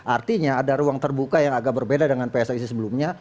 artinya ada ruang terbuka yang agak berbeda dengan pssi sebelumnya